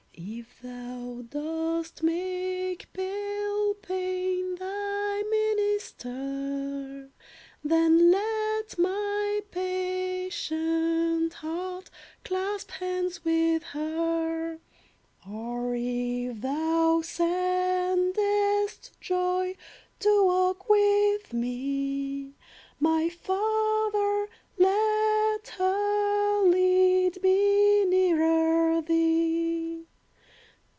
If thou dost make pale Pain Thy minister, Then let my patient heart Clasp hands with her. Or, if thou sendest Joy To walk with me. 372 CONTENT My Father, let her lead Me nearer thee